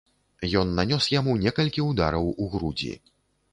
Ён нанёс яму некалькі ўдараў у грудзі.